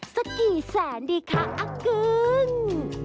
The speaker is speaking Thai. สักกี่แสนดีคะอักกึ้ง